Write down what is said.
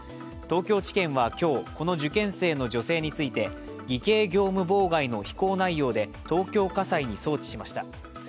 東京地検は今日、この受験生の女性について偽計業務妨害の非行内容で東京家裁に送致しました。